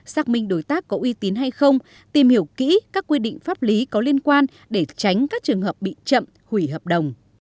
xác minh đối tác có uy tín hay không tìm hiểu kỹ các quy định pháp lý có liên quan để tránh các trường hợp bị chậm hủy hợp đồng